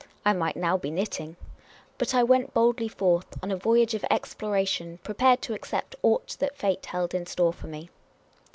I might now be knitting. But I went boldly forth, on a voy age of exploration, prepared to accept aught that fate held in store for me.